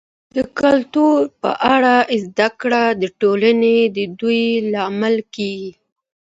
د کلتور په اړه زده کړه د ټولنې د ودي لامل کیږي.